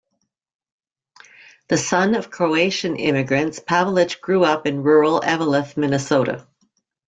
The son of Croatian immigrants, Pavelich grew up in rural Eveleth, Minnesota.